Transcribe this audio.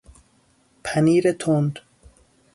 پنیر تند